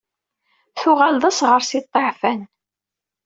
Tuɣal d asɣar si ṭṭiɛfan.